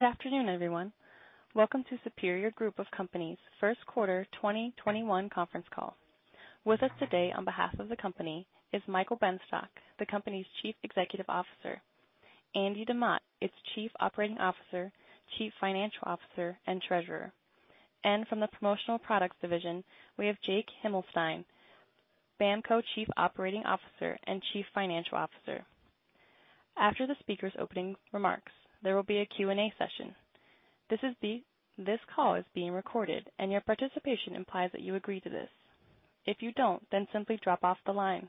Good afternoon, everyone. Welcome to Superior Group of Companies' first quarter 2021 conference call. With us today on behalf of the company is Michael Benstock, the company's Chief Executive Officer, Andy DeMott, its Chief Operating Officer, Chief Financial Officer, and Treasurer, and from the Promotional Products division, we have Jake Himelstein, BAMKO Chief Operating Officer and Chief Financial Officer. After the speakers' opening remarks, there will be a Q&A session. This call is being recorded, and your participation implies that you agree to this. If you don't, then simply drop off the line.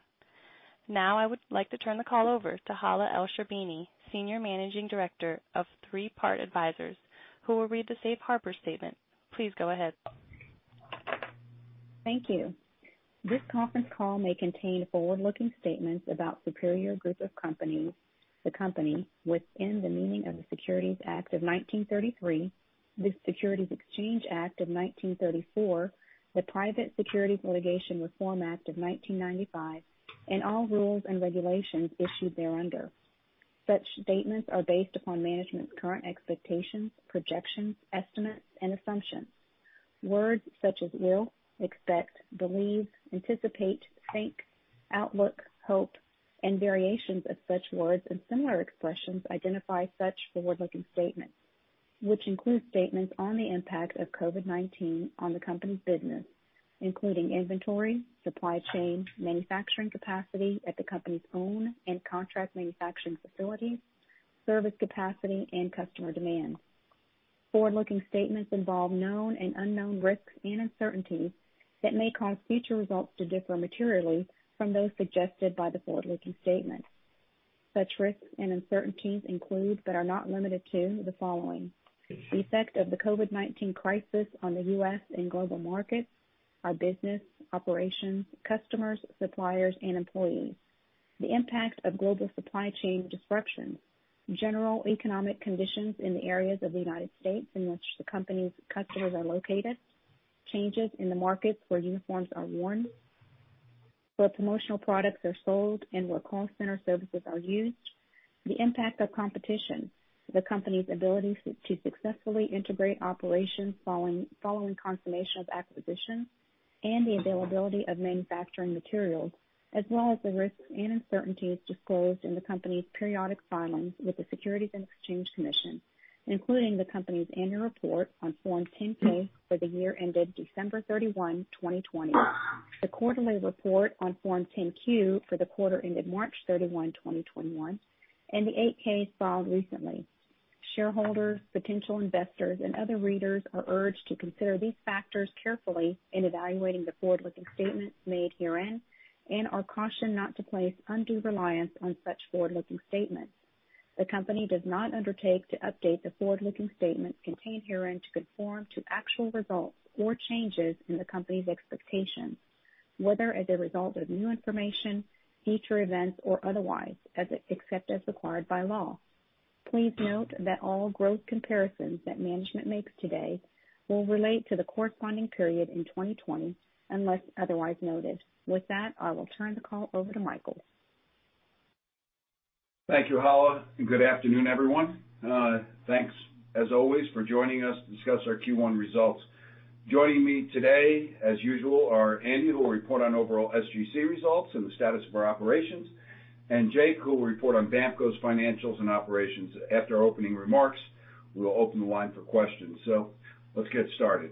Now, I would like to turn the call over to Hala Elsherbini, Senior Managing Director of Three Part Advisors, who will read the safe harbor statement. Please go ahead. Thank you. This conference call may contain forward-looking statements about Superior Group of Companies, the company, within the meaning of the Securities Act of 1933, the Securities Exchange Act of 1934, the Private Securities Litigation Reform Act of 1995, and all rules and regulations issued thereunder. Such statements are based upon management's current expectations, projections, estimates, and assumptions. Words such as will, expect, believe, anticipate, think, outlook, hope, and variations of such words and similar expressions identify such forward-looking statements, which include statements on the impact of COVID-19 on the company's business, including inventory, supply chain, manufacturing capacity at the company's own and contract manufacturing facilities, service capacity, and customer demand. Forward-looking statements involve known and unknown risks and uncertainties that may cause future results to differ materially from those suggested by the forward-looking statements. Such risks and uncertainties include, but are not limited to, the following: the effect of the COVID-19 crisis on the U.S. and global markets, our business operations, customers, suppliers, and employees; the impact of global supply chain disruptions; general economic conditions in the areas of the United States in which the company's customers are located; changes in the markets where uniforms are worn, where promotional products are sold, and where call center services are used; the impact of competition; the company's ability to successfully integrate operations following confirmation of acquisitions; and the availability of manufacturing materials, as well as the risks and uncertainties disclosed in the company's periodic filings with the Securities and Exchange Commission, including the company's annual report on Form 10-K for the year ended December 31, 2020, the quarterly report on Form 10-Q for the quarter ended March 31, 2021, and the 8-K filed recently. Shareholders, potential investors, and other readers are urged to consider these factors carefully in evaluating the forward-looking statements made herein and are cautioned not to place undue reliance on such forward-looking statements. The company does not undertake to update the forward-looking statements contained herein to conform to actual results or changes in the company's expectations, whether as a result of new information, future events, or otherwise, except as required by law. Please note that all growth comparisons that management makes today will relate to the corresponding period in 2020, unless otherwise noted. With that, I will turn the call over to Michael. Thank you, Hala, and good afternoon, everyone. Thanks, as always, for joining us to discuss our Q1 results. Joining me today, as usual, are Andy, who will report on overall SGC results and the status of our operations, and Jake, who will report on BAMKO's financials and operations. After our opening remarks, we will open the line for questions. Let's get started.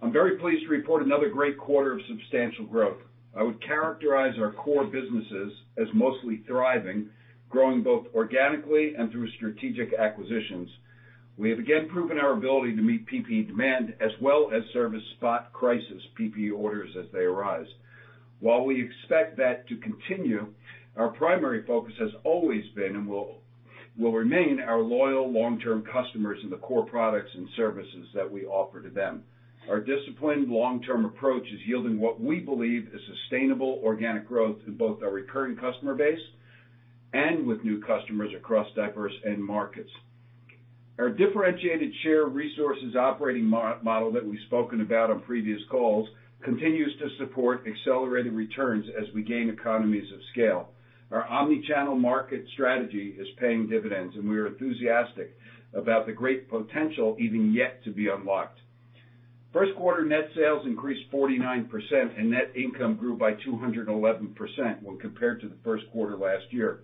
I'm very pleased to report another great quarter of substantial growth. I would characterize our core businesses as mostly thriving, growing both organically and through strategic acquisitions. We have again proven our ability to meet PPE demand as well as service spot crisis PPE orders as they arise. While we expect that to continue, our primary focus has always been and will remain our loyal long-term customers and the core products and services that we offer to them. Our disciplined long-term approach is yielding what we believe is sustainable organic growth in both our recurring customer base and with new customers across diverse end markets. Our differentiated shared resources operating model that we've spoken about on previous calls continues to support accelerated returns as we gain economies of scale. Our omni-channel market strategy is paying dividends, and we are enthusiastic about the great potential even yet to be unlocked. First quarter net sales increased 49%, and net income grew by 211% when compared to the first quarter last year.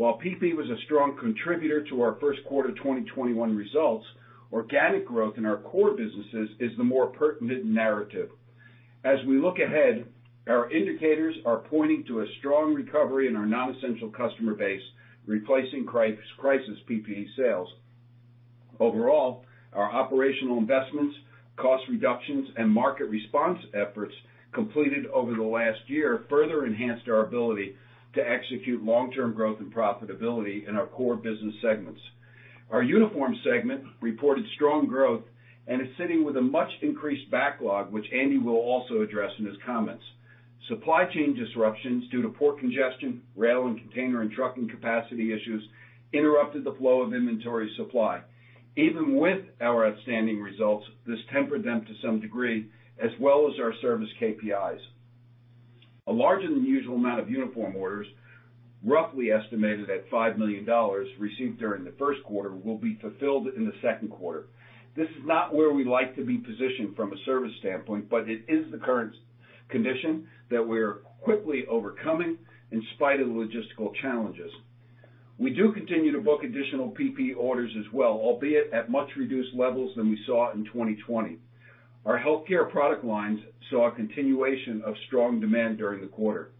While PPE was a strong contributor to our first quarter 2021 results, organic growth in our core businesses is the more pertinent narrative. As we look ahead, our indicators are pointing to a strong recovery in our non-essential customer base, replacing crisis PPE sales. Overall, our operational investments, cost reductions, and market response efforts completed over the last year further enhanced our ability to execute long-term growth and profitability in our core business segments. Our uniform segment reported strong growth and is sitting with a much increased backlog, which Andy will also address in his comments. Supply chain disruptions due to port congestion, rail and container and trucking capacity issues interrupted the flow of inventory supply. Even with our outstanding results, this tempered them to some degree, as well as our service KPIs. A larger than usual amount of uniform orders, roughly estimated at $5 million, received during the first quarter will be fulfilled in the second quarter. This is not where we like to be positioned from a service standpoint, but it is the current condition that we're quickly overcoming in spite of logistical challenges. We do continue to book additional PPE orders as well, albeit at much reduced levels than we saw in 2020. Our healthcare product lines saw a continuation of strong demand during the quarter.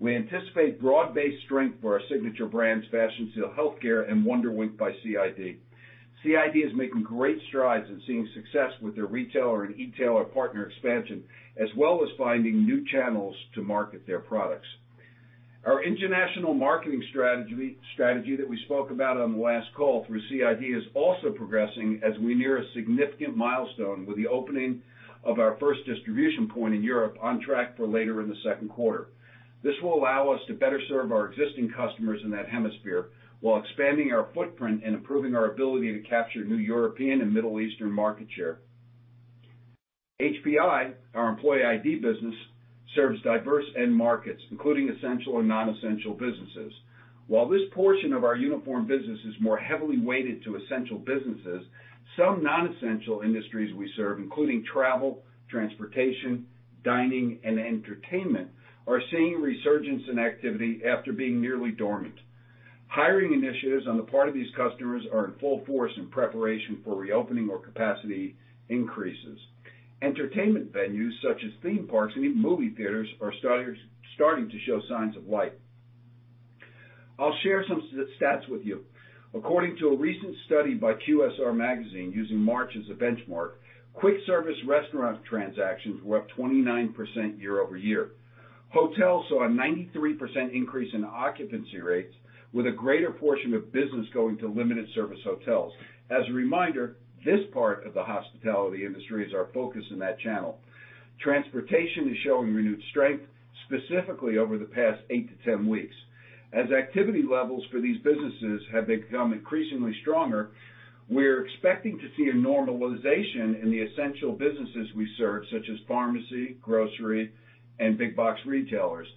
We anticipate broad-based strength for our signature brands, Fashion Seal Healthcare and WonderWink by CID. CID is making great strides in seeing success with their retailer and e-tailer partner expansion, as well as finding new channels to market their products. Our international marketing strategy that we spoke about on the last call through CID is also progressing as we near a significant milestone with the opening of our first distribution point in Europe on track for later in the second quarter. This will allow us to better serve our existing customers in that hemisphere while expanding our footprint and improving our ability to capture new European and Middle Eastern market share. HPI, our employee ID business, serves diverse end markets, including essential and non-essential businesses. While this portion of our uniform business is more heavily weighted to essential businesses, some non-essential industries we serve, including travel, transportation, dining, and entertainment, are seeing resurgence in activity after being nearly dormant. Hiring initiatives on the part of these customers are in full force in preparation for reopening or capacity increases. Entertainment venues such as theme parks and even movie theaters are starting to show signs of life. I'll share some stats with you. According to a recent study by QSR Magazine using March as a benchmark, quick service restaurant transactions were up 29% year-over-year. Hotels saw a 93% increase in occupancy rates with a greater portion of business going to limited service hotels. As a reminder, this part of the hospitality industry is our focus in that channel. Transportation is showing renewed strength, specifically over the past 8-10 weeks. As activity levels for these businesses have become increasingly stronger, we're expecting to see a normalization in the essential businesses we serve, such as pharmacy, grocery, and big box retailers.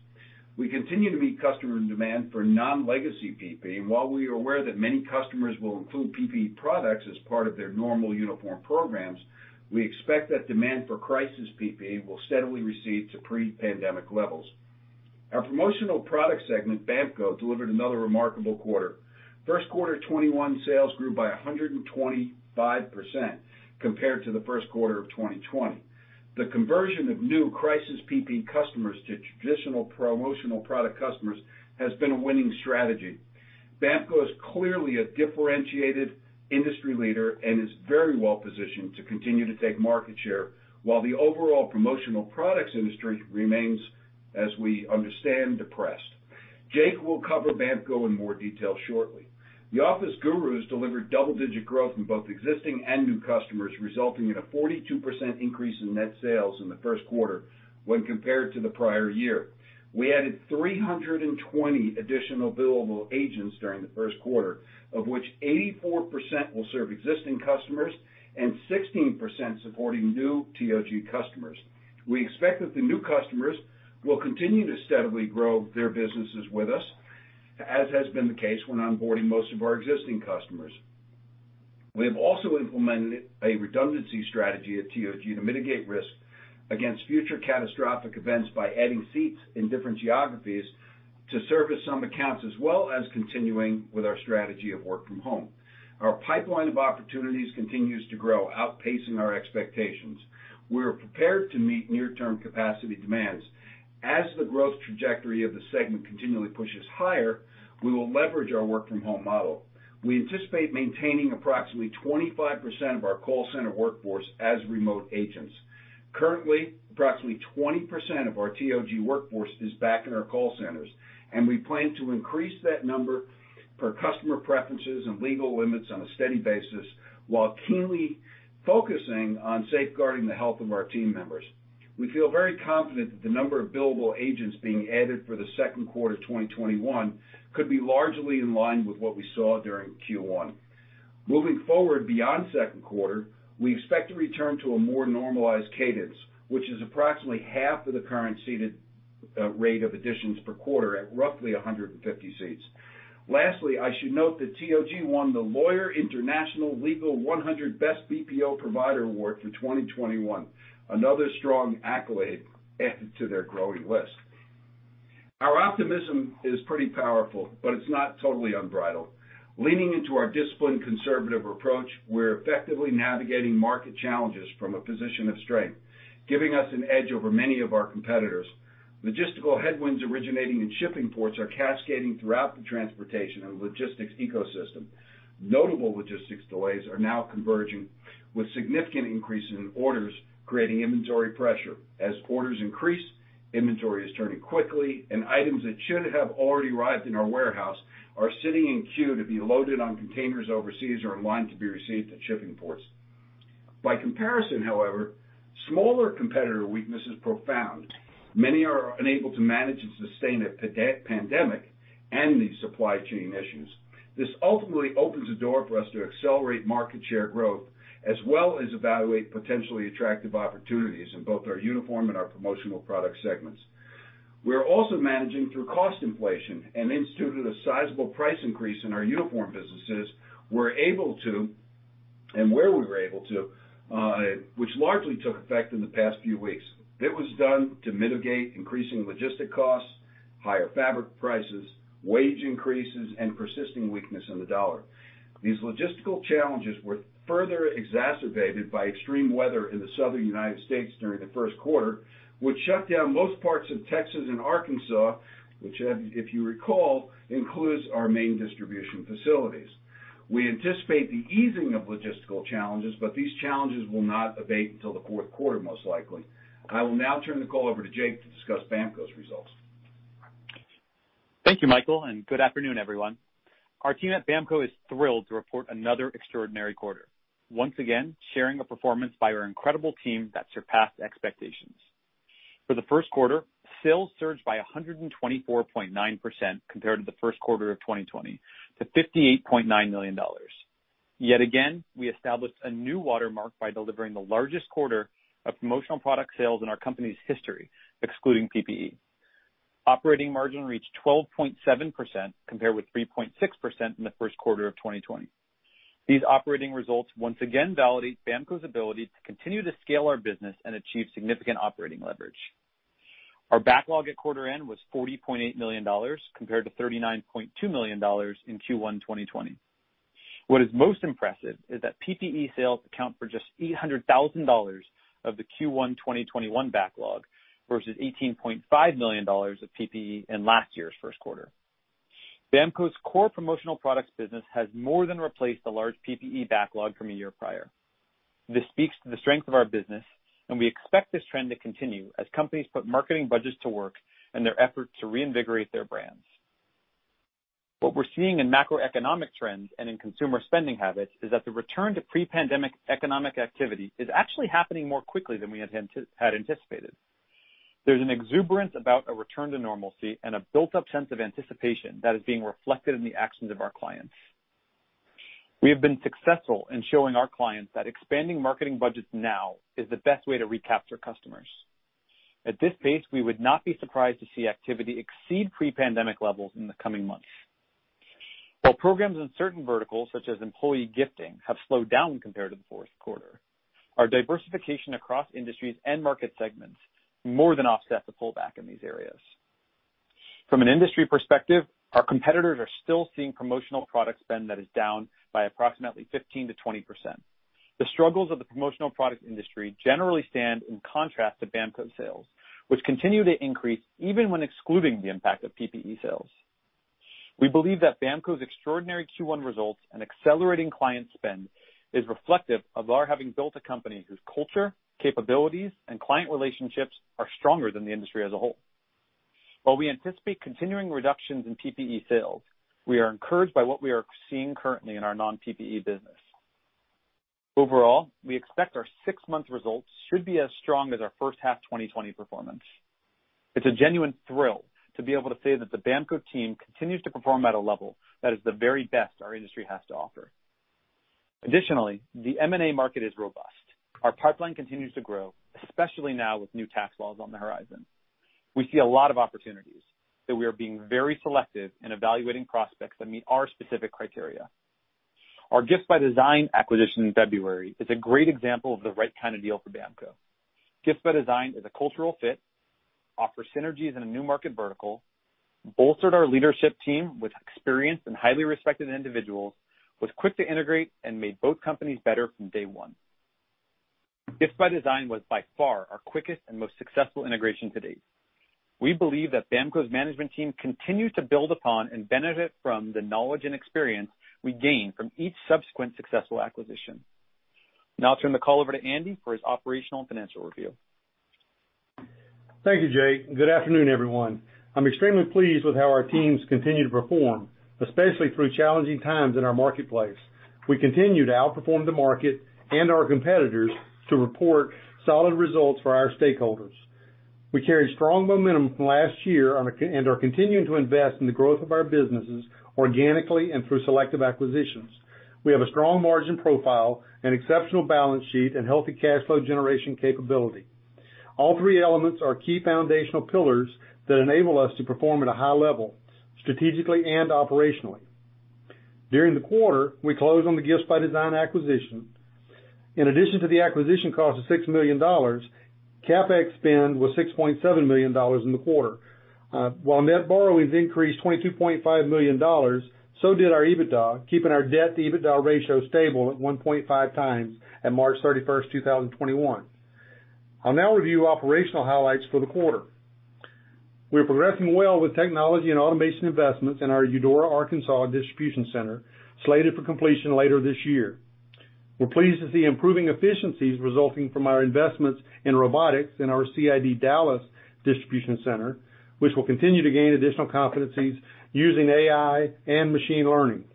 We continue to meet customer demand for non-legacy PPE, and while we are aware that many customers will include PPE products as part of their normal uniform programs, we expect that demand for crisis PPE will steadily recede to pre-pandemic levels. Our promotional product segment, BAMKO, delivered another remarkable quarter. First quarter 2021 sales grew by 125% compared to the first quarter of 2020. The conversion of new crisis PPE customers to traditional promotional product customers has been a winning strategy. BAMKO is clearly a differentiated industry leader and is very well positioned to continue to take market share while the overall promotional products industry remains, as we understand, depressed. Jake will cover BAMKO in more detail shortly. The Office Gurus delivered double-digit growth in both existing and new customers, resulting in a 42% increase in net sales in the first quarter when compared to the prior year. We added 320 additional billable agents during the first quarter, of which 84% will serve existing customers and 16% supporting new TOG customers. We expect that the new customers will continue to steadily grow their businesses with us, as has been the case when onboarding most of our existing customers. We have also implemented a redundancy strategy at TOG to mitigate risk against future catastrophic events by adding seats in different geographies to service some accounts, as well as continuing with our strategy of work from home. Our pipeline of opportunities continues to grow, outpacing our expectations. We're prepared to meet near-term capacity demands. As the growth trajectory of the segment continually pushes higher, we will leverage our work from home model. We anticipate maintaining approximately 25% of our call center workforce as remote agents. Currently, approximately 20% of our TOG workforce is back in our call centers, and we plan to increase that number per customer preferences and legal limits on a steady basis while keenly focusing on safeguarding the health of our team members. We feel very confident that the number of billable agents being added for the second quarter 2021 could be largely in line with what we saw during Q1. Moving forward beyond second quarter, we expect to return to a more normalized cadence, which is approximately half of the current seated rate of additions per quarter at roughly 150 seats. Lastly, I should note that TOG won the Lawyer International Legal 100 Best BPO Provider Award for 2021. Another strong accolade added to their growing list. Our optimism is pretty powerful, but it's not totally unbridled. Leaning into our disciplined, conservative approach, we're effectively navigating market challenges from a position of strength, giving us an edge over many of our competitors. Logistical headwinds originating in shipping ports are cascading throughout the transportation and logistics ecosystem. Notable logistics delays are now converging with significant increases in orders, creating inventory pressure. As orders increase, inventory is turning quickly, and items that should have already arrived in our warehouse are sitting in queue to be loaded on containers overseas or in line to be received at shipping ports. By comparison, however, smaller competitor weakness is profound. Many are unable to manage and sustain a pandemic and the supply chain issues. This ultimately opens the door for us to accelerate market share growth, as well as evaluate potentially attractive opportunities in both our uniform and our promotional product segments. We're also managing through cost inflation and instituted a sizable price increase in our uniform businesses, were able to, and where we were able to, which largely took effect in the past few weeks. It was done to mitigate increasing logistic costs, higher fabric prices, wage increases, and persisting weakness in the dollar. These logistical challenges were further exacerbated by extreme weather in the Southern United States during the first quarter, which shut down most parts of Texas and Arkansas, which, if you recall, includes our main distribution facilities. We anticipate the easing of logistical challenges, but these challenges will not abate until the fourth quarter, most likely. I will now turn the call over to Jake to discuss BAMKO's results. Thank you, Michael. Good afternoon, everyone. Our team at BAMKO is thrilled to report another extraordinary quarter. Once again, sharing a performance by our incredible team that surpassed expectations. For the first quarter, sales surged by 124.9% compared to the first quarter of 2020, to $58.9 million. Yet again, we established a new watermark by delivering the largest quarter of promotional product sales in our company's history, excluding PPE. Operating margin reached 12.7% compared with 3.6% in the first quarter of 2020. These operating results once again validate BAMKO's ability to continue to scale our business and achieve significant operating leverage. Our backlog at quarter end was $40.8 million compared to $39.2 million in Q1 2020. What is most impressive is that PPE sales account for just $800,000 of the Q1 2021 backlog versus $18.5 million of PPE in last year's first quarter. BAMKO's core promotional products business has more than replaced the large PPE backlog from a year prior. This speaks to the strength of our business, and we expect this trend to continue as companies put marketing budgets to work and their effort to reinvigorate their brands. What we're seeing in macroeconomic trends and in consumer spending habits is that the return to pre-pandemic economic activity is actually happening more quickly than we had anticipated. There's an exuberance about a return to normalcy and a built-up sense of anticipation that is being reflected in the actions of our clients. We have been successful in showing our clients that expanding marketing budgets now is the best way to recapture customers. At this pace, we would not be surprised to see activity exceed pre-pandemic levels in the coming months. While programs in certain verticals, such as employee gifting, have slowed down compared to the fourth quarter, our diversification across industries and market segments more than offset the pullback in these areas. From an industry perspective, our competitors are still seeing promotional product spend that is down by approximately 15%-20%. The struggles of the promotional product industry generally stand in contrast to BAMKO sales, which continue to increase even when excluding the impact of PPE sales. We believe that BAMKO's extraordinary Q1 results and accelerating client spend is reflective of our having built a company whose culture, capabilities, and client relationships are stronger than the industry as a whole. While we anticipate continuing reductions in PPE sales, we are encouraged by what we are seeing currently in our non-PPE business. Overall, we expect our six-month results should be as strong as our first half 2020 performance. It's a genuine thrill to be able to say that the BAMKO team continues to perform at a level that is the very best our industry has to offer. Additionally, the M&A market is robust. Our pipeline continues to grow, especially now with new tax laws on the horizon. We see a lot of opportunities, that we are being very selective in evaluating prospects that meet our specific criteria. Our Gifts By Design acquisition in February is a great example of the right kind of deal for BAMKO. Gifts By Design is a cultural fit, offers synergies in a new market vertical, bolstered our leadership team with experienced and highly respected individuals, was quick to integrate, and made both companies better from day one. Gifts By Design was by far our quickest and most successful integration to date. We believe that BAMKO's management team continues to build upon and benefit from the knowledge and experience we gain from each subsequent successful acquisition. Now I'll turn the call over to Andy for his operational and financial review. Thank you, Jake. Good afternoon, everyone. I'm extremely pleased with how our teams continue to perform, especially through challenging times in our marketplace. We continue to outperform the market and our competitors to report solid results for our stakeholders. We carry strong momentum from last year and are continuing to invest in the growth of our businesses organically and through selective acquisitions. We have a strong margin profile, an exceptional balance sheet, and healthy cash flow generation capability. All three elements are key foundational pillars that enable us to perform at a high level, strategically and operationally. During the quarter, we closed on the Gifts By Design acquisition. In addition to the acquisition cost of $6 million, CapEx spend was $6.7 million in the quarter. While net borrowings increased $22.5 million, so did our EBITDA, keeping our debt-to-EBITDA ratio stable at 1.5 times at March 31st, 2021. I'll now review operational highlights for the quarter. We're progressing well with technology and automation investments in our Eudora, Arkansas, distribution center, slated for completion later this year. We're pleased to see improving efficiencies resulting from our investments in robotics in our CID Dallas distribution center, which will continue to gain additional competencies using AI and machine learning.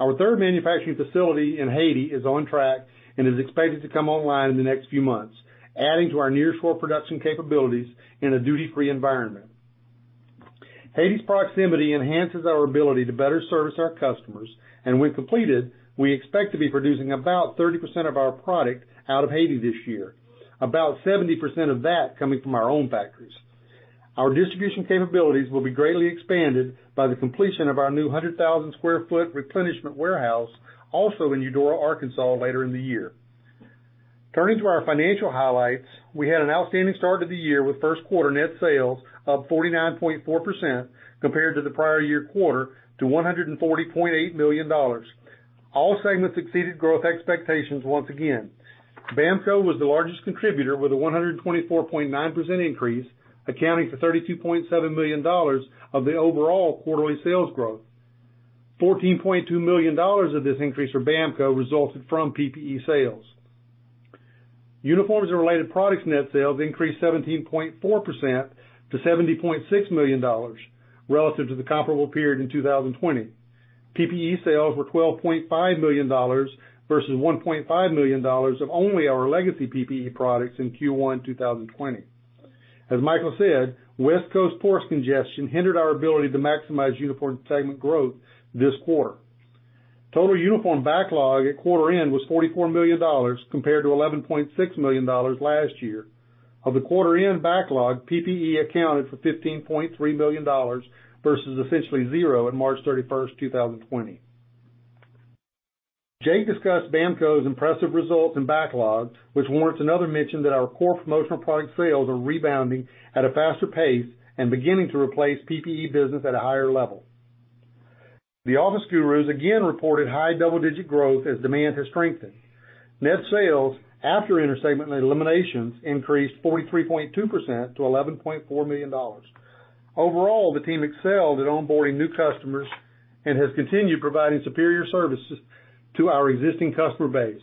Our third manufacturing facility in Haiti is on track and is expected to come online in the next few months, adding to our near-shore production capabilities in a duty-free environment. Haiti's proximity enhances our ability to better service our customers, and when completed, we expect to be producing about 30% of our product out of Haiti this year. About 70% of that coming from our own factories. Our distribution capabilities will be greatly expanded by the completion of our new 100,000 square foot replenishment warehouse, also in Eudora, Arkansas, later in the year. Turning to our financial highlights, we had an outstanding start to the year with first quarter net sales up 49.4% compared to the prior year quarter to $140.8 million. All segments exceeded growth expectations once again. BAMKO was the largest contributor with a 124.9% increase, accounting for $32.7 million of the overall quarterly sales growth. $14.2 million of this increase for BAMKO resulted from PPE sales. Uniforms and Related Products net sales increased 17.4% to $70.6 million relative to the comparable period in 2020. PPE sales were $12.5 million versus $1.5 million of only our legacy PPE products in Q1 2020. As Michael said, West Coast ports congestion hindered our ability to maximize uniform segment growth this quarter. Total uniform backlog at quarter end was $44 million compared to $11.6 million last year. Of the quarter end backlog, PPE accounted for $15.3 million versus essentially zero at March 31st, 2020. Jake discussed BAMKO's impressive results and backlogs, which warrants another mention that our core promotional product sales are rebounding at a faster pace and beginning to replace PPE business at a higher level. The Office Gurus again reported high double-digit growth as demand has strengthened. Net sales, after intersegment eliminations, increased 43.2% to $11.4 million. Overall, the team excelled at onboarding new customers and has continued providing superior services to our existing customer base.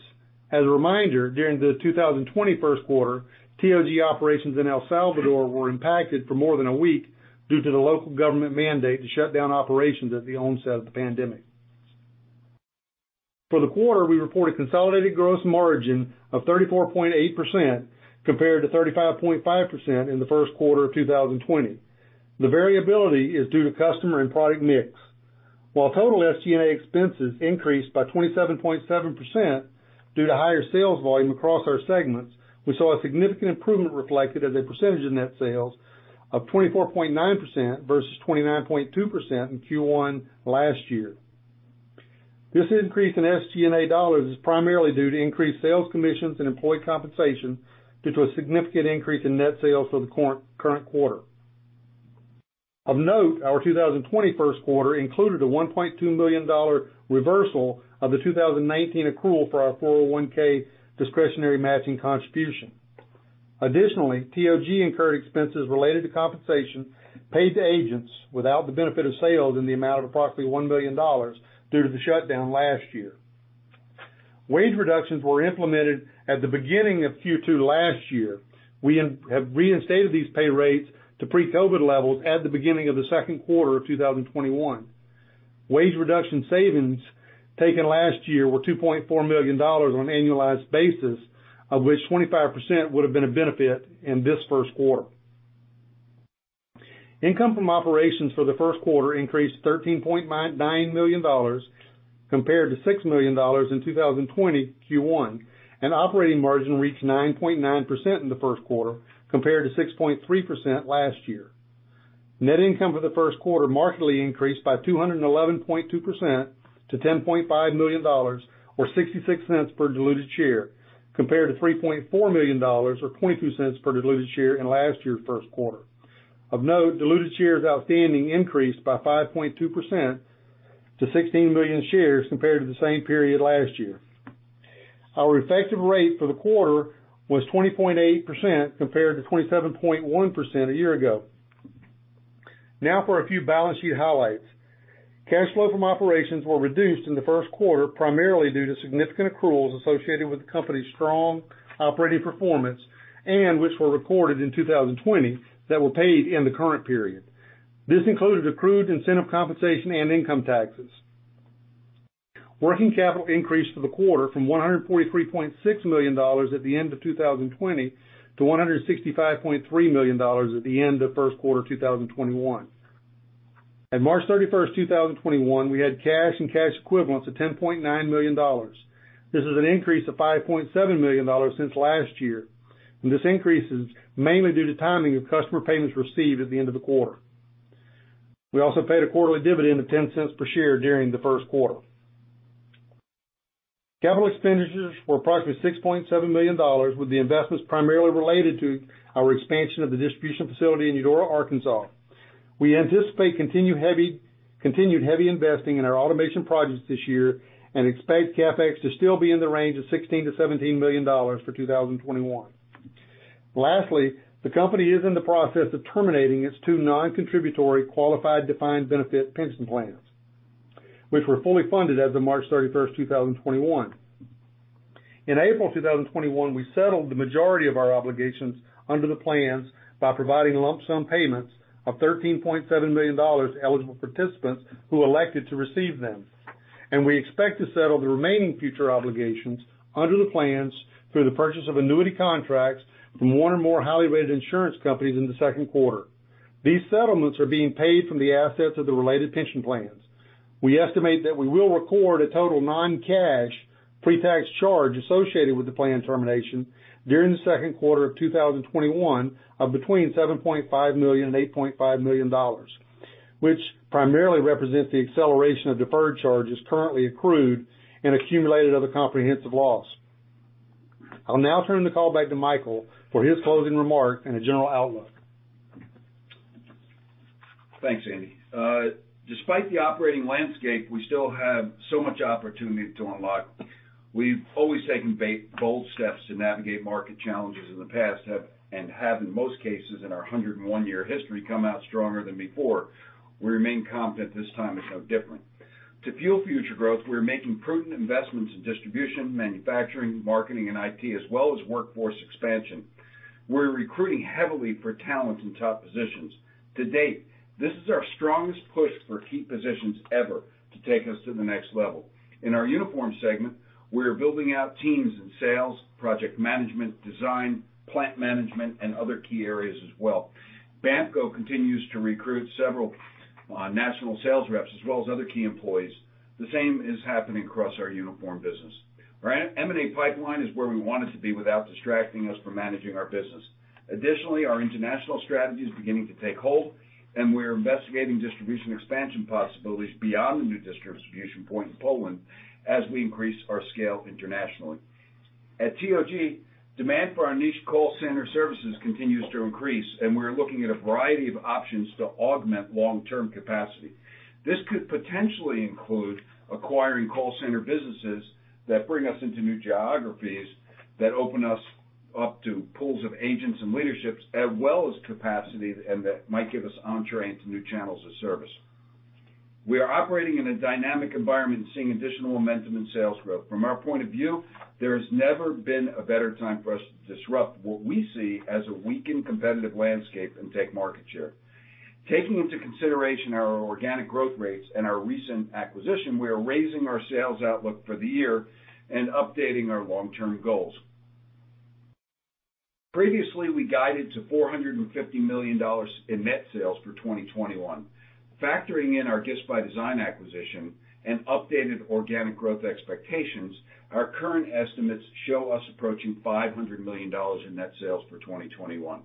As a reminder, during the 2020 first quarter, TOG operations in El Salvador were impacted for more than a week due to the local government mandate to shut down operations at the onset of the pandemic. For the quarter, we report a consolidated gross margin of 34.8% compared to 35.5% in the first quarter of 2020. The variability is due to customer and product mix. While total SG&A expenses increased by 27.7% due to higher sales volume across our segments, we saw a significant improvement reflected as a percentage of net sales of 24.9% versus 29.2% in Q1 last year. This increase in SG&A dollars is primarily due to increased sales commissions and employee compensation due to a significant increase in net sales for the current quarter. Of note, our 2020 first quarter included a $1.2 million reversal of the 2019 accrual for our 401(k) discretionary matching contribution. Additionally, TOG incurred expenses related to compensation paid to agents without the benefit of sales in the amount of approximately $1 million due to the shutdown last year. Wage reductions were implemented at the beginning of Q2 last year. We have reinstated these pay rates to pre-COVID levels at the beginning of the second quarter of 2021. Wage reduction savings taken last year were $2.4 million on an annualized basis, of which 25% would've been a benefit in this first quarter. Income from operations for the first quarter increased $13.9 million compared to $6 million in 2020 Q1, and operating margin reached 9.9% in the first quarter compared to 6.3% last year. Net income for the first quarter markedly increased by 211.2% to $10.5 million, or $0.66 per diluted share, compared to $3.4 million or $0.2 per diluted share in last year's first quarter. Of note, diluted shares outstanding increased by 5.2% to 16 million shares compared to the same period last year. Our effective rate for the quarter was 20.8% compared to 27.1% a year ago. Now for a few balance sheet highlights. Cash flow from operations were reduced in the first quarter, primarily due to significant accruals associated with the company's strong operating performance, and which were recorded in 2020, that were paid in the current period. This included accrued incentive compensation and income taxes. Working capital increased for the quarter from $143.6 million at the end of 2020 to $165.3 million at the end of first quarter 2021. At March 31st, 2021, we had cash and cash equivalents of $10.9 million. This is an increase of $5.7 million since last year. This increase is mainly due to timing of customer payments received at the end of the quarter. We also paid a quarterly dividend of $0.10 per share during the first quarter. Capital expenditures were approximately $6.7 million, with the investments primarily related to our expansion of the distribution facility in Eudora, Arkansas. We anticipate continued heavy investing in our automation projects this year and expect CapEx to still be in the range of $16 million-$17 million for 2021. Lastly, the company is in the process of terminating its two non-contributory qualified defined benefit pension plans, which were fully funded as of March 31st, 2021. In April 2021, we settled the majority of our obligations under the plans by providing lump sum payments of $13.7 million to eligible participants who elected to receive them. We expect to settle the remaining future obligations under the plans through the purchase of annuity contracts from one or more highly rated insurance companies in the second quarter. These settlements are being paid from the assets of the related pension plans. We estimate that we will record a total non-cash pre-tax charge associated with the plan termination during the second quarter of 2021 of between $7.5 million and $8.5 million, which primarily represents the acceleration of deferred charges currently accrued and accumulated other comprehensive loss. I'll now turn the call back to Michael for his closing remarks and a general outlook. Thanks, Andy. Despite the operating landscape, we still have so much opportunity to unlock. We've always taken bold steps to navigate market challenges in the past, and have, in most cases, in our 101-year history, come out stronger than before. We remain confident this time is no different. To fuel future growth, we are making prudent investments in distribution, manufacturing, marketing, and IT, as well as workforce expansion. We're recruiting heavily for talent in top positions. To date, this is our strongest push for key positions ever to take us to the next level. In our uniform segment, we are building out teams in sales, project management, design, plant management, and other key areas as well. BAMKO continues to recruit several national sales reps as well as other key employees. The same is happening across our uniform business. Right. M&A pipeline is where we want it to be without distracting us from managing our business. Additionally, our international strategy is beginning to take hold, and we're investigating distribution expansion possibilities beyond the new distribution point in Poland as we increase our scale internationally. At TOG, demand for our niche call center services continues to increase, and we're looking at a variety of options to augment long-term capacity. This could potentially include acquiring call center businesses that bring us into new geographies that open us up to pools of agents and leadership, as well as capacity, and that might give us entree into new channels of service. We are operating in a dynamic environment and seeing additional momentum in sales growth. From our point of view, there's never been a better time for us to disrupt what we see as a weakened competitive landscape and take market share. Taking into consideration our organic growth rates and our recent acquisition, we are raising our sales outlook for the year and updating our long-term goals. Previously, we guided to $450 million in net sales for 2021. Factoring in our Gifts By Design acquisition and updated organic growth expectations, our current estimates show us approaching $500 million in net sales for 2021.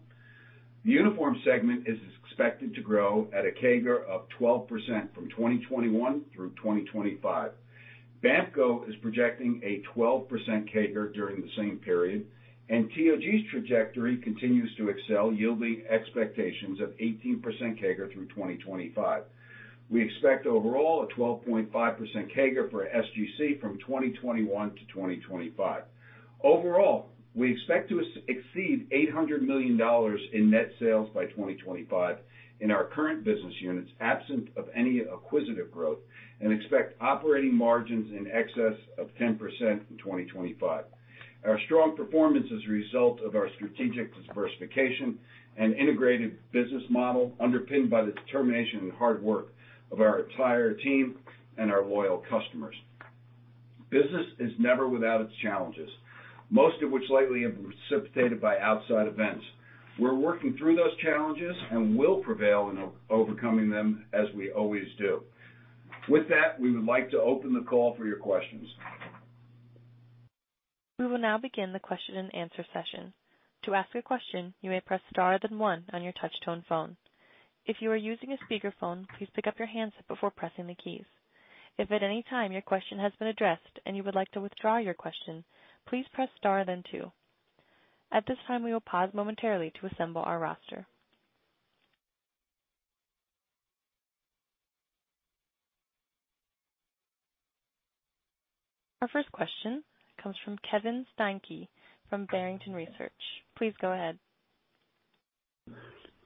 The uniform segment is expected to grow at a CAGR of 12% from 2021 through 2025. BAMKO is projecting a 12% CAGR during the same period, and TOG's trajectory continues to excel, yielding expectations of 18% CAGR through 2025. We expect overall a 12.5% CAGR for SGC from 2021-2025. Overall, we expect to exceed $800 million in net sales by 2025 in our current business units, absent of any acquisitive growth, and expect operating margins in excess of 10% in 2025. Our strong performance is a result of our strategic diversification and integrated business model, underpinned by the determination and hard work of our entire team and our loyal customers. Business is never without its challenges, most of which lately have been precipitated by outside events. We're working through those challenges and will prevail in overcoming them as we always do. With that, we would like to open the call for your questions. We will now begin the question and answer session. To ask a question, you may press star then one on your touchtone phone. If you are using a speaker phone, please pickup your handset before pressing the keys. If in any time your question has been addressed and you would like to withdraw your question, please press star then two. At this time, we will pause momentarily to assemble our roster. Our first question comes from Kevin Steinke from Barrington Research. Please go ahead.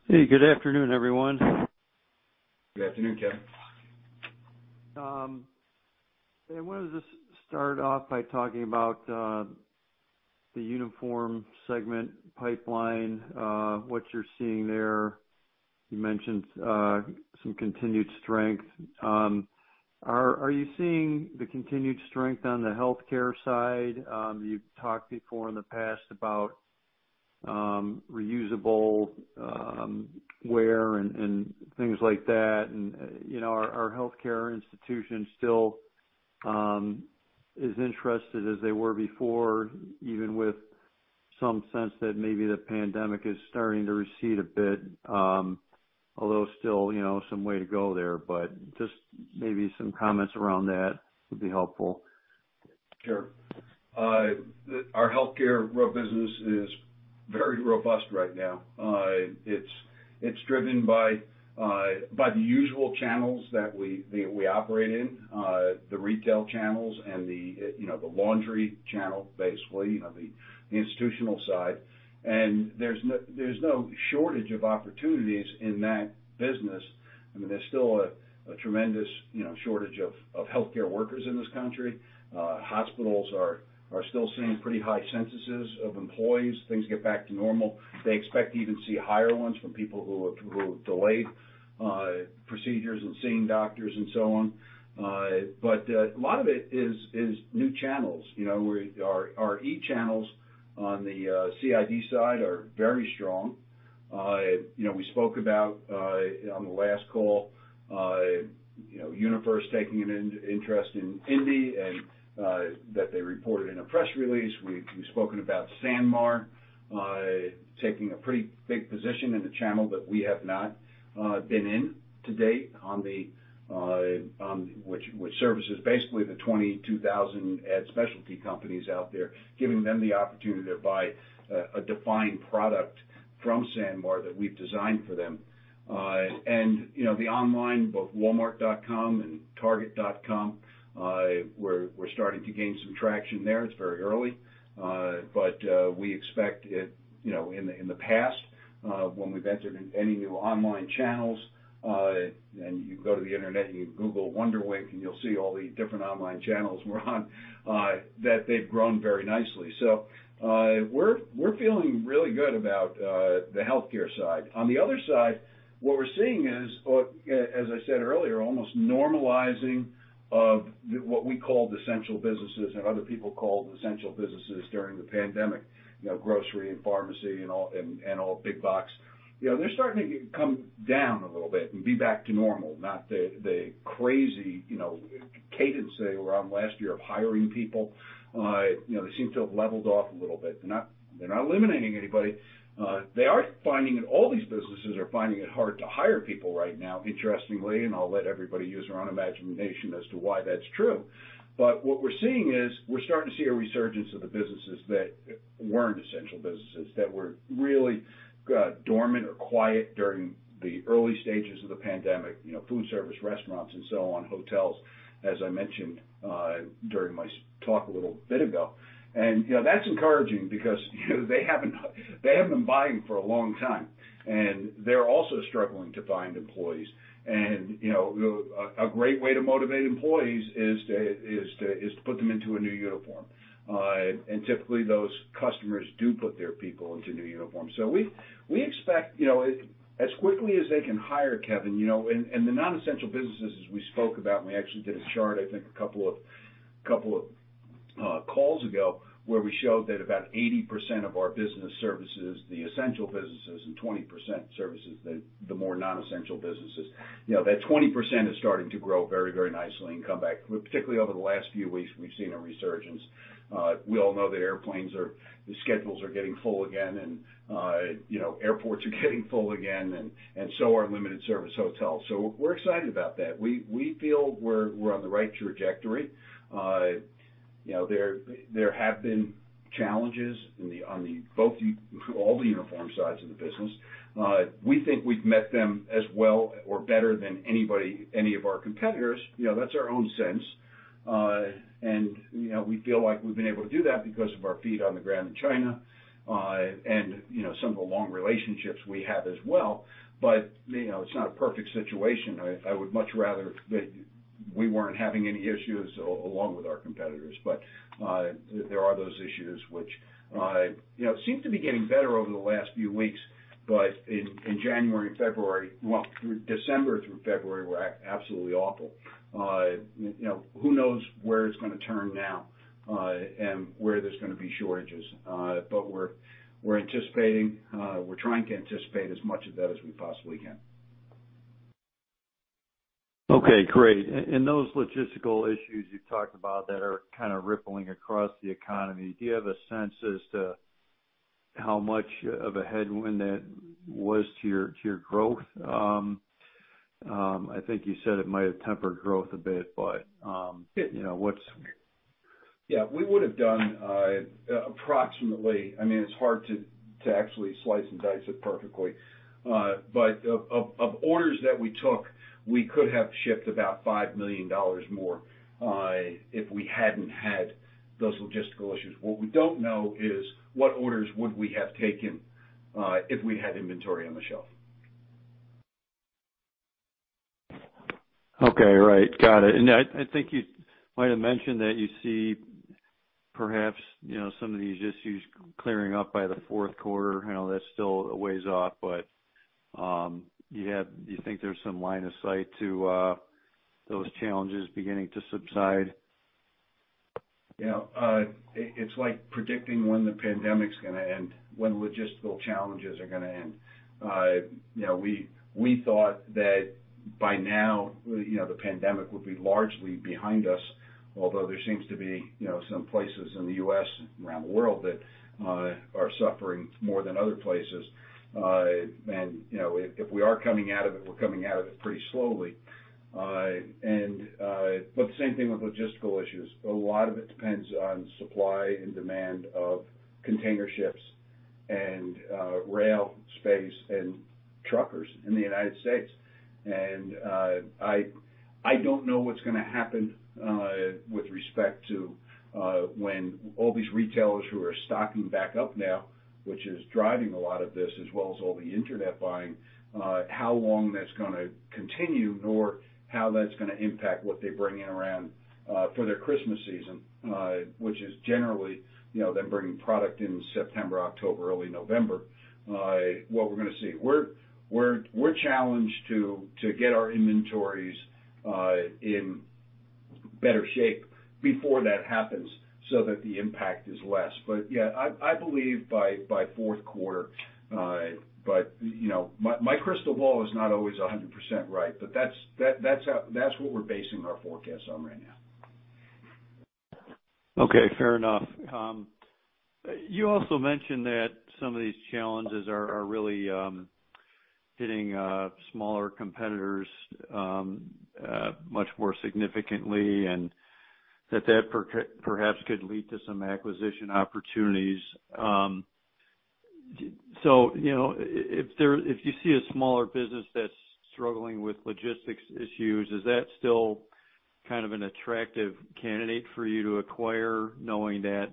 Hey, good afternoon, everyone. Good afternoon, Kevin. I wanted to start off by talking about the uniform segment pipeline, what you're seeing there? You mentioned some continued strength. Are you seeing the continued strength on the healthcare side? You've talked before in the past about reusable wear and things like that, and are healthcare institutions still as interested as they were before, even with some sense that maybe the pandemic is starting to recede a bit? Although still some way to go there, but just maybe some comments around that would be helpful. Sure. Our healthcare business is very robust right now. It's driven by the usual channels that we operate in, the retail channels and the laundry channel, basically, the institutional side. There's no shortage of opportunities in that business. I mean, there's still a tremendous shortage of healthcare workers in this country. Hospitals are still seeing pretty high censuses of employees. Things get back to normal. They expect to even see higher ones from people who have delayed procedures and seeing doctors and so on. A lot of it is new channels. Our e-channels on the CID side are very strong. We spoke about, on the last call, [UniFirst] taking an interest in INDY, that they reported in a press release. We've spoken about SanMar taking a pretty big position in the channel that we have not been in to date, which services basically the 22,000 ad specialty companies out there, giving them the opportunity to buy a defined product from SanMar that we've designed for them. The online, both walmart.com and target.com, we're starting to gain some traction there. It's very early. We expect in the past, when we've entered in any new online channels, and you go to the internet, and you Google WonderWink, and you'll see all the different online channels we're on, that they've grown very nicely. We're feeling really good about the healthcare side. On the other side, what we're seeing is, as I said earlier, almost normalizing of what we called essential businesses and other people called essential businesses during the pandemic, grocery and pharmacy and all big box. They're starting to come down a little bit and be back to normal, not the crazy cadence they were on last year of hiring people. They seem to have leveled off a little bit. They're not eliminating anybody. They are finding, and all these businesses are finding it hard to hire people right now, interestingly, and I'll let everybody use their own imagination as to why that's true. What we're seeing is, we're starting to see a resurgence of the businesses that weren't essential businesses, that were really dormant or quiet during the early stages of the pandemic, food service, restaurants and so on, hotels, as I mentioned during my talk a little bit ago. That's encouraging because they haven't been buying for a long time, and they're also struggling to find employees. A great way to motivate employees is to put them into a new uniform. Typically, those customers do put their people into new uniforms. We expect, as quickly as they can hire, Kevin, and the non-essential businesses we spoke about, and we actually did a chart, I think a couple of calls ago, where we showed that about 80% of our business services, the essential businesses, and 20% services, the more non-essential businesses. That 20% is starting to grow very very nicely and come back. Particularly over the last few weeks, we've seen a resurgence. We all know that airplanes, the schedules are getting full again, and airports are getting full again and so are limited service hotels. We're excited about that. We feel we're on the right trajectory. There have been challenges on all the uniform sides of the business. We think we've met them as well or better than anybody, any of our competitors. That's our own sense. We feel like we've been able to do that because of our feet on the ground in China, and some of the long relationships we have as well. It's not a perfect situation. I would much rather that we weren't having any issues along with our competitors. There are those issues which seem to be getting better over the last few weeks. In January and February, well, December through February were absolutely awful. Who knows where it's going to turn now, and where there's going to be shortages. We're anticipating, we're trying to anticipate as much of that as we possibly can. Okay. Great. In those logistical issues you talked about that are kind of rippling across the economy, do you have a sense as to how much of a headwind that was to your growth? I think you said it might have tempered growth a bit, but what's? Yeah. We would've done approximately, I mean, it's hard to actually slice and dice it perfectly. Of orders that we took, we could have shipped about $5 million more, if we hadn't had those logistical issues. What we don't know is what orders would we have taken, if we had inventory on the shelf. Okay. Right. Got it. I think you might've mentioned that you see perhaps some of these issues clearing up by the fourth quarter. I know that's still a ways off, but do you think there's some line of sight to those challenges beginning to subside? It's like predicting when the pandemic's going to end, when logistical challenges are going to end. We thought that by now the pandemic would be largely behind us, although there seems to be some places in the U.S. and around the world that are suffering more than other places. If we are coming out of it, we're coming out of it pretty slowly. The same thing with logistical issues. A lot of it depends on supply and demand of container ships and rail space and truckers in the United States. I don't know what's going to happen with respect to when all these retailers who are stocking back up now, which is driving a lot of this, as well as all the internet buying, how long that's going to continue or how that's going to impact what they bring in around for their Christmas season which is generally, them bringing product in September, October, early November, what we're going to see. We're challenged to get our inventories in better shape before that happens so that the impact is less. Yeah, I believe by fourth quarter. My crystal ball is not always 100% right, but that's what we're basing our forecast on right now. Okay, fair enough. You also mentioned that some of these challenges are really hitting smaller competitors much more significantly, and that that perhaps could lead to some acquisition opportunities. If you see a smaller business that's struggling with logistics issues, is that still kind of an attractive candidate for you to acquire, knowing that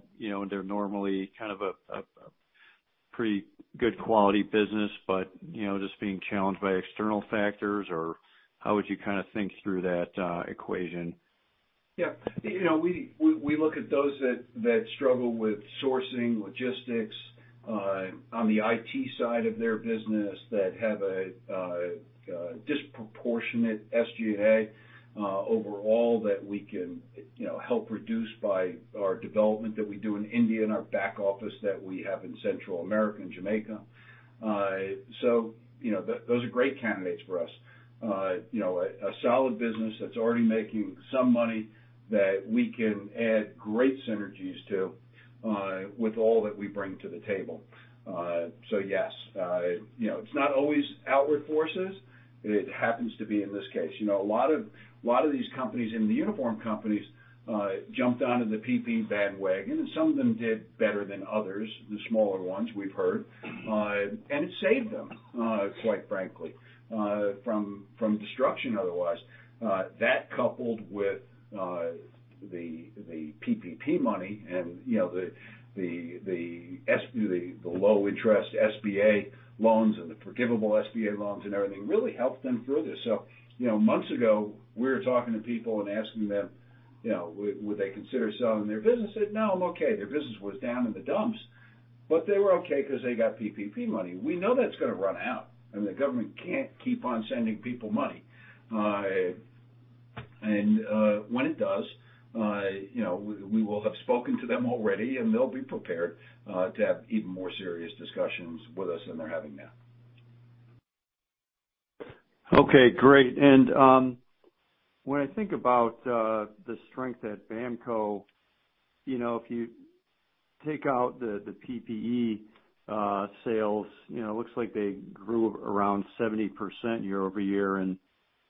they're normally a pretty good quality business, but just being challenged by external factors, or how would you think through that equation? We look at those that struggle with sourcing, logistics, on the IT side of their business that have a disproportionate SG&A overall that we can help reduce by our development that we do in India and our back office that we have in Central America and Jamaica. Those are great candidates for us. A solid business that's already making some money that we can add great synergies to with all that we bring to the table. Yes. It's not always outward forces. It happens to be in this case. A lot of these companies in the uniform companies jumped onto the PPE bandwagon, some of them did better than others, the smaller ones we've heard. It saved them, quite frankly, from destruction otherwise. That coupled with the PPP money and the low interest SBA loans and the forgivable SBA loans and everything really helped them through this. Months ago, we were talking to people and asking them would they consider selling their business. They said, "No, I'm okay." Their business was down in the dumps, but they were okay because they got PPP money. We know that's going to run out, and the government can't keep on sending people money. When it does, we will have spoken to them already, and they'll be prepared to have even more serious discussions with us than they're having now. Okay, great. When I think about the strength at BAMKO, if you take out the PPE sales, it looks like they grew around 70% year-over-year, and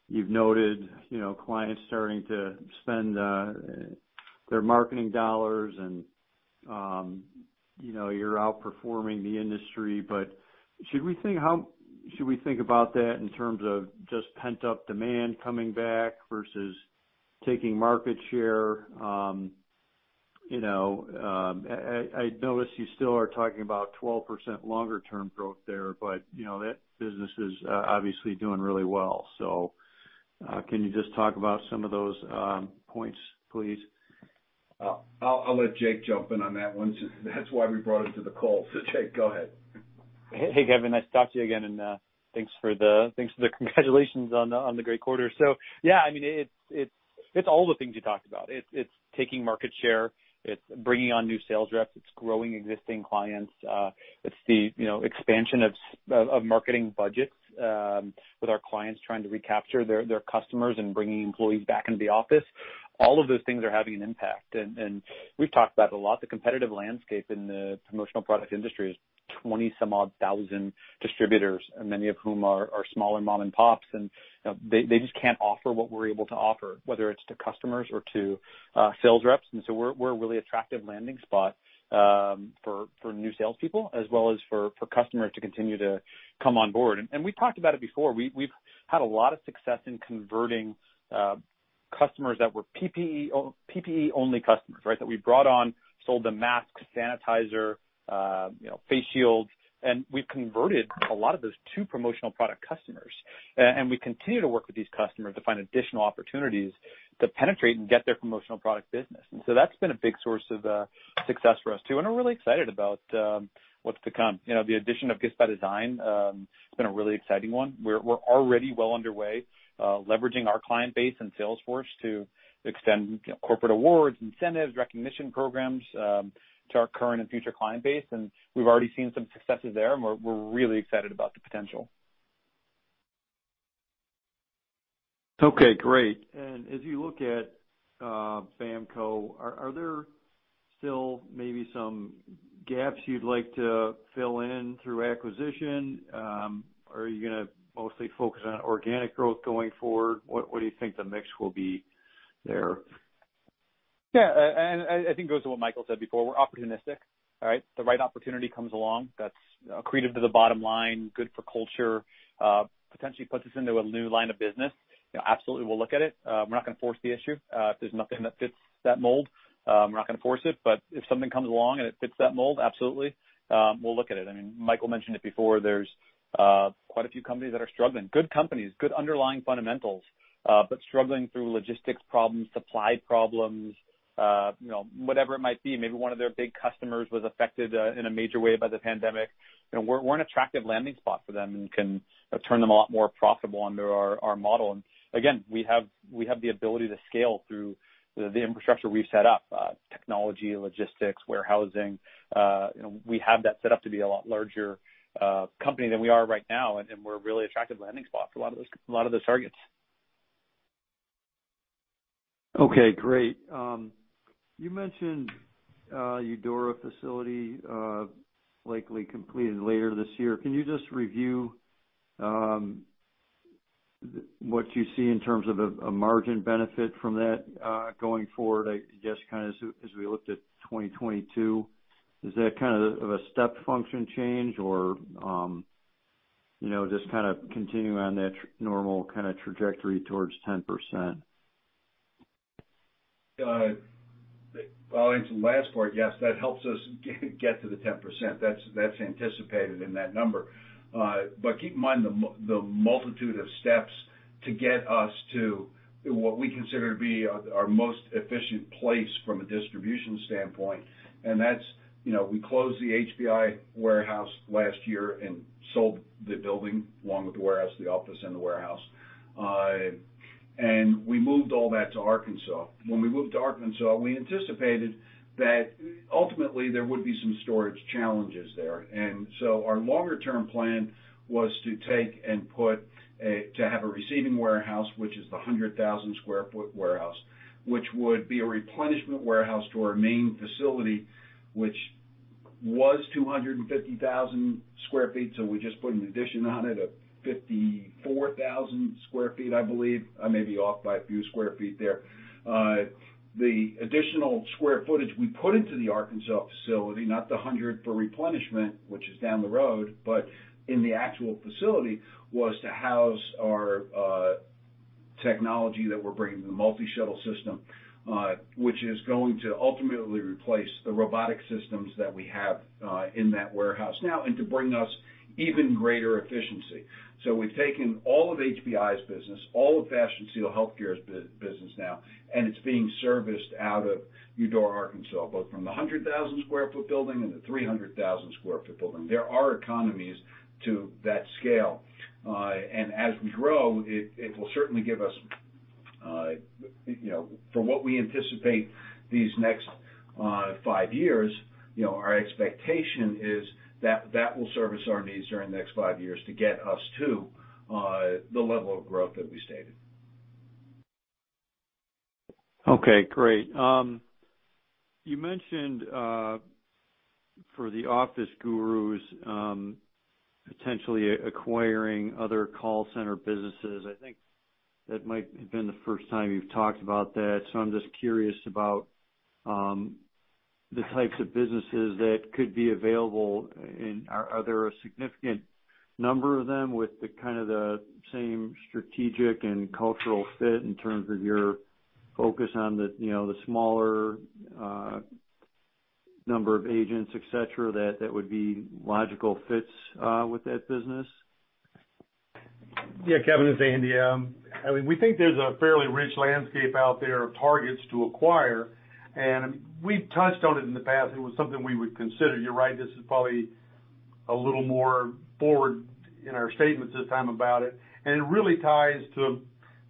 you've noted clients starting to spend their marketing dollars and you're outperforming the industry. Should we think about that in terms of just pent-up demand coming back versus taking market share? I noticed you still are talking about 12% longer term growth there, but that business is obviously doing really well. Can you just talk about some of those points, please? I'll let Jake jump in on that one, too. That's why we brought him to the call. Jake, go ahead. Hey Kevin, nice to talk to you again, thanks for the congratulations on the great quarter. Yeah, it's all the things you talked about. It's taking market share, it's bringing on new sales reps, it's growing existing clients. It's the expansion of marketing budgets with our clients trying to recapture their customers and bringing employees back into the office. All of those things are having an impact. We've talked about it a lot, the competitive landscape in the promotional product industry is 20 some odd thousand distributors, many of whom are smaller mom and pops, they just can't offer what we're able to offer, whether it's to customers or to sales reps. We're a really attractive landing spot for new salespeople as well as for customers to continue to come on board. We've talked about it before. We've had a lot of success in converting customers that were PPE-only customers that we brought on, sold them masks, sanitizer, face shields, and we've converted a lot of those to promotional product customers. We continue to work with these customers to find additional opportunities to penetrate and get their promotional product business. That's been a big source of success for us, too. We're really excited about what's to come. The addition of Gifts by Design has been a really exciting one. We're already well underway leveraging our client base and sales force to extend corporate awards, incentives, recognition programs to our current and future client base. We've already seen some successes there, and we're really excited about the potential. Okay, great. As you look at BAMKO, are there still maybe some gaps you'd like to fill in through acquisition? Are you going to mostly focus on organic growth going forward? What do you think the mix will be there? I think it goes to what Michael said before, we're opportunistic. The right opportunity comes along that's accretive to the bottom line, good for culture, potentially puts us into a new line of business. Absolutely, we'll look at it. We're not going to force the issue. If there's nothing that fits that mold, we're not going to force it. If something comes along and it fits that mold, absolutely, we'll look at it. Michael mentioned it before, there's quite a few companies that are struggling. Good companies, good underlying fundamentals, but struggling through logistics problems, supply problems, whatever it might be. Maybe one of their big customers was affected in a major way by the pandemic. We're an attractive landing spot for them and can turn them a lot more profitable under our model. Again, we have the ability to scale through the infrastructure we've set up, technology, logistics, warehousing. We have that set up to be a lot larger company than we are right now, and we're a really attractive landing spot for a lot of those targets. Okay, great. You mentioned Eudora facility likely completed later this year. Can you just review what you see in terms of a margin benefit from that going forward? I guess as we looked at 2022, is that kind of a step function change or just continuing on that normal trajectory towards 10%? Well, into the last part, yes, that helps us get to the 10%. That's anticipated in that number. Keep in mind the multitude of steps to get us to what we consider to be our most efficient place from a distribution standpoint. That's, we closed the HPI warehouse last year and sold the building along with the warehouse, the office and the warehouse. We moved all that to Arkansas. When we moved to Arkansas, we anticipated that ultimately there would be some storage challenges there. Our longer-term plan was to take input a, to have a receiving warehouse, which is the 100,000 sq ft warehouse, which would be a replenishment warehouse to our main facility, which was 250,000 sq ft. We just put an addition on it of 54,000 sq ft, I believe. I may be off by a few square feet there. The additional square footage we put into the Arkansas facility, not the 100 for replenishment, which is down the road, but in the actual facility, was to house our technology that we're bringing, the multi-shuttle system, which is going to ultimately replace the robotic systems that we have in that warehouse now, and to bring us even greater efficiency. We've taken all of HPI's business, all of Fashion Seal Healthcare's business now, and it's being serviced out of Eudora, Arkansas, both from the 100,000 sq ft building and the 300,000 sq ft building. There are economies to that scale. As we grow, it will certainly give us, from what we anticipate these next five years, our expectation is that that will service our needs during the next five years to get us to the level of growth that we stated. Okay, great. You mentioned for The Office Gurus potentially acquiring other call center businesses. I think that might have been the first time you've talked about that. I'm just curious about the types of businesses that could be available, and are there a significant number of them with the kind a same strategic and cultural fit in terms of your focus on the smaller number of agents, et cetera, that would be logical fits with that business? Yeah, Kevin, it's Andy. We think there's a fairly rich landscape out there of targets to acquire, and we've touched on it in the past. It was something we would consider. You're right, this is probably a little more forward in our statements this time about it, and it really ties to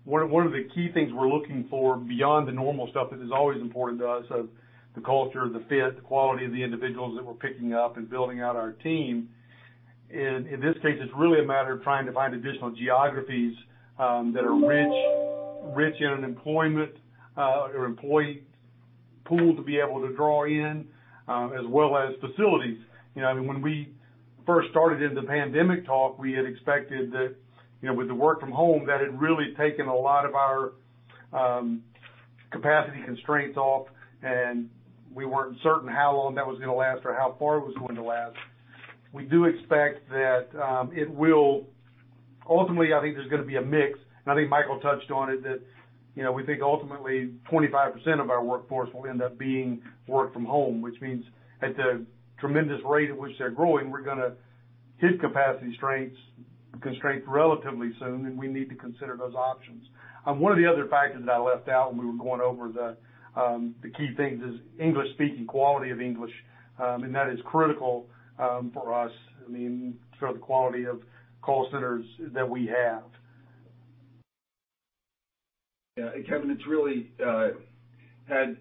one of the key things we're looking for beyond the normal stuff that is always important to us of the culture, the fit, the quality of the individuals that we're picking up and building out our team. In this case, it's really a matter of trying to find additional geographies that are rich in employment or employee pool to be able to draw in, as well as facilities. When we first started in the pandemic talk, we had expected that with the work from home, that had really taken a lot of our capacity constraints off, and we weren't certain how long that was going to last or how far it was going to last. We do expect that it will. Ultimately, I think there's going to be a mix, and I think Michael touched on it, that we think ultimately 25% of our workforce will end up being work from home, which means at the tremendous rate at which they're growing, we're going to hit capacity constraints relatively soon, and we need to consider those options. One of the other factors that I left out when we were going over the key things is English speaking, quality of English. That is critical for us for the quality of call centers that we have. Yeah. Kevin, it's really, had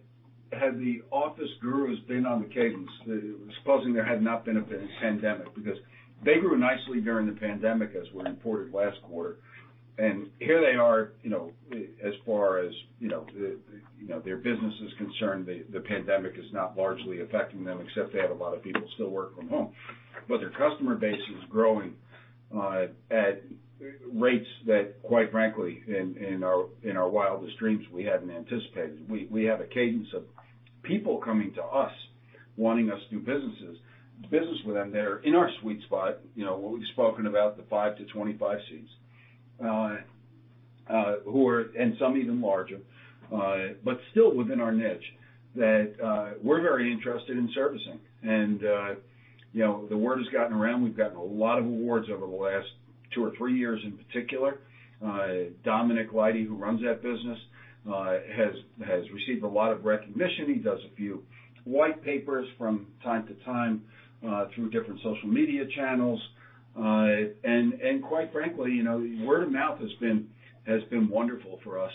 The Office Gurus been on the cadence, supposing there had not been a pandemic, because they grew nicely during the pandemic, as we reported last quarter. Here they are, as far as their business is concerned, the pandemic is not largely affecting them except they have a lot of people still work from home. Their customer base is growing at rates that, quite frankly, in our wildest dreams, we hadn't anticipated. We have a cadence of people coming to us wanting us to do business with them that are in our sweet spot, what we've spoken about, the five to 25 seats, and some even larger, but still within our niche, that we're very interested in servicing. The word has gotten around. We've gotten a lot of awards over the last two or three years in particular. Dominic Leide, who runs that business, has received a lot of recognition. He does a few white papers from time to time through different social media channels. Quite frankly, word of mouth has been wonderful for us.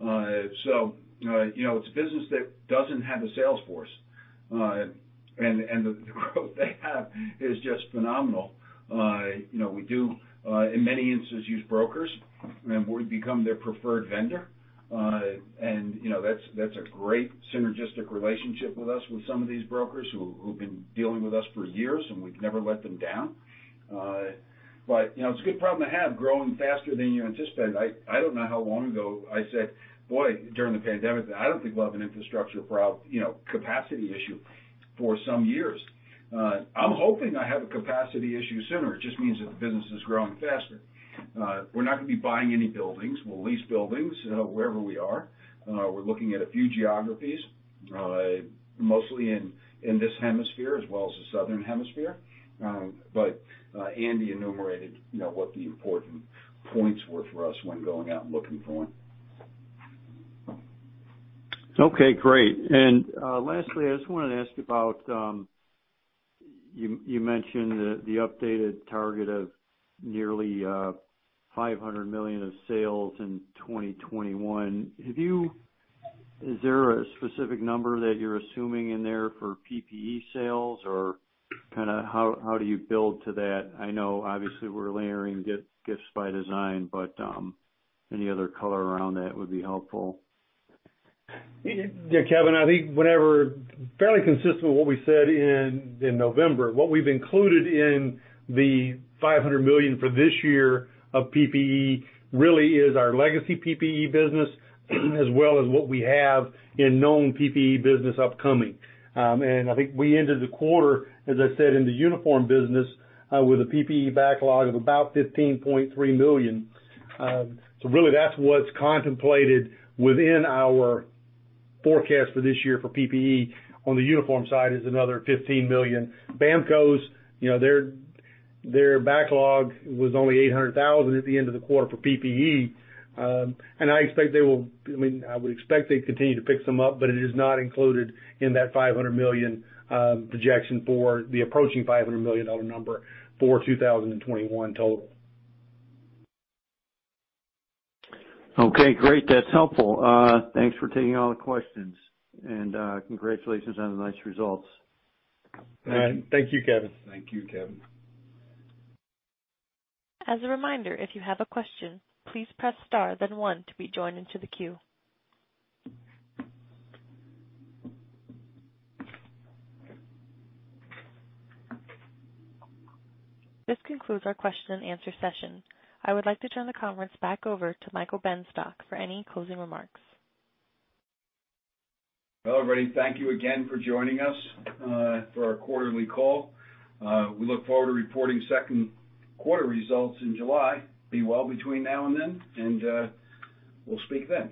It's a business that doesn't have a sales force. The growth they have is just phenomenal. We do, in many instances, use brokers, and we've become their preferred vendor. That's a great synergistic relationship with us, with some of these brokers who've been dealing with us for years, and we've never let them down. It's a good problem to have, growing faster than you anticipated. I don't know how long ago I said, "Boy, during the pandemic, I don't think we'll have an infrastructure capacity issue for some years." I'm hoping I have a capacity issue sooner. It just means that the business is growing faster. We're not going to be buying any buildings. We'll lease buildings wherever we are. We're looking at a few geographies, mostly in this hemisphere as well as the southern hemisphere. Andy enumerated what the important points were for us when going out and looking for them. Okay, great. Lastly, I just wanted to ask about, you mentioned the updated target of nearly $500 million of sales in 2021. Have you, is there a specific number that you're assuming in there for PPE sales or how do you build to that? I know obviously we're layering Gifts By Design, but any other color around that would be helpful. Yeah, Kevin, I think whatever fairly consistent with what we said in November, what we've included in the $500 million for this year of PPE really is our legacy PPE business as well as what we have in known PPE business upcoming. I think we ended the quarter, as I said, in the uniform business, with a PPE backlog of about $15.3 million. Really that's what's contemplated within our forecast for this year for PPE. On the uniform side is another $15 million. BAMKO's, their backlog was only $800,000 at the end of the quarter for PPE. I would expect they'd continue to pick some up, but it is not included in that $500 million projection for the approaching $500 million number for 2021 total. Okay, great. That's helpful. Thanks for taking all the questions. Congratulations on the nice results. Thank you, Kevin. Thank you, Kevin. As a reminder if you have a question, please press star then one to be join into the queue. This concludes our question and answer session. I would like to turn the conference back over to Michael Benstock for any closing remarks. Well, everybody, thank you again for joining us for our quarterly call. We look forward to reporting second quarter results in July. Be well between now and then, and we'll speak then.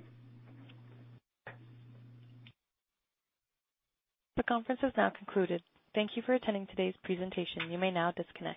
The conference has now concluded. Thank you for attending today's presentation. You may now disconnect.